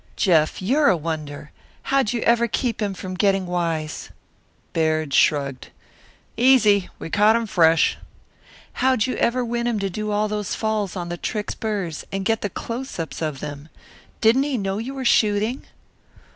"Jeff, you're a wonder. How'd you ever keep him from getting wise?" Baird shrugged. "Easy! We caught him fresh." "How'd you ever win him to do all those falls on the trick spurs, and get the close ups of them? Didn't he know you were shooting?"